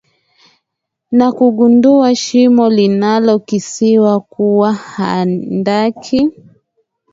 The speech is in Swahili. na kugundua shimo linalo kisiwa kuwa handaki